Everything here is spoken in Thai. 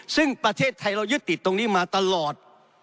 ซึ่งประเทศไทยเรายึดติดตรงนี้มาตลอด